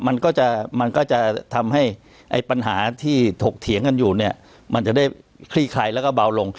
มันก็จะมันก็จะทำให้ไอ้ปัญหาที่ถกเถียงกันอยู่เนี่ยมันจะได้คลี่คลายแล้วก็เบาลง